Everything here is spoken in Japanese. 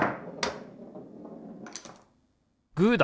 グーだ！